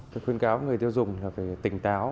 tôi khuyên cáo người tiêu dùng là phải tỉnh táo